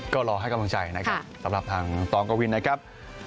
ก็รอให้กำลังใจนะครับสำหรับทางตองกวินนะครับ